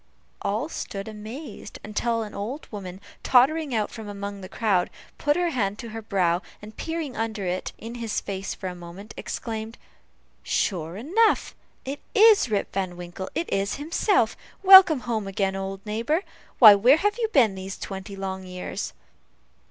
All stood amazed, until an old woman, tottering out from among the crowd, put her hand to her brow, and peering under it in his face for a moment exclaimed, "sure enough! it is Rip Van Winkle it is himself. Welcome home again, old neighbor. Why, where have you been these twenty long years?"